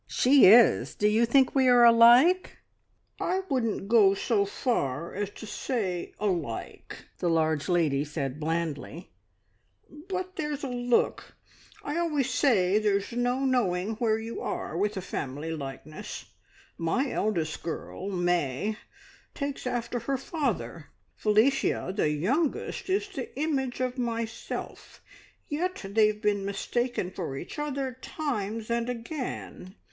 "She is. Do you think we are alike?" "I I wouldn't go so far as to say alike!" the large lady said blandly; "but there's a look! As I always say, there's no knowing where you are with a family likeness. My eldest girl May takes after her father; Felicia, the youngest, is the image of myself; yet they've been mistaken for each other times and again.